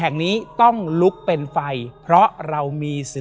และยินดีต้อนรับทุกท่านเข้าสู่เดือนพฤษภาคมครับ